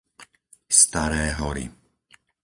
Staré Hory